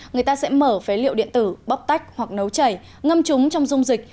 người ta sẽ mở phế liệu điện tử bóc tách hoặc nấu chảy ngâm chúng trong dung dịch